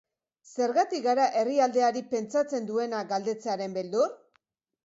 Zergatik gara herrialdeari pentsatzen duena galdetzearen beldur?